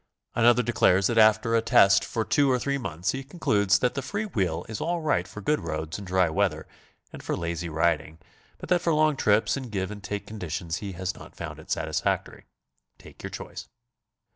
Another declares that after « BICYCLE TOURING. 99 % a test for two or three months he concludes that the free wheel is all right for good roads in dry weather, and for lazy riding, but that ior long trips and give and take conditions he has not found it satisfactory. Take your choice.